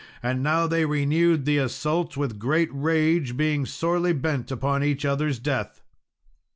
And now they renewed the assault with great rage, being sorely bent upon each other's death.